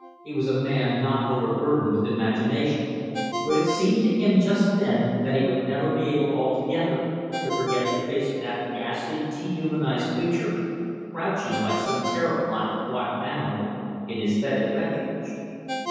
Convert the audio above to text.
He was a man not overburdened with imagination, but it seemed to him just then that he would never be able altogether to forget the face of that ghastly, dehumanised creature, crouching like some terrified wild animal in his fetid refuge.